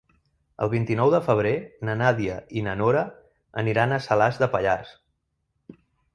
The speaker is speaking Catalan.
El vint-i-nou de febrer na Nàdia i na Nora aniran a Salàs de Pallars.